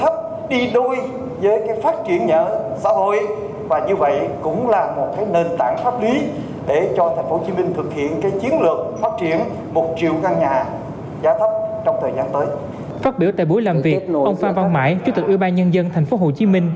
phát biểu tại buổi làm việc ông phạm văn mãi chủ tịch ưu ba nhân dân tp hcm